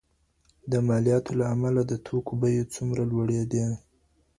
د مالیاتو له امله د توکو بیې څومره لوړېدي؟